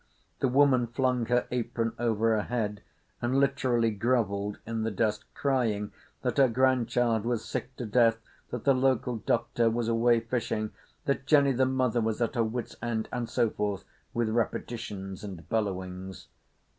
The woman flung her apron over her head and literally grovelled in the dust, crying that her grandchild was sick to death, that the local doctor was away fishing, that Jenny the mother was at her wits end, and so forth, with repetitions and bellowings.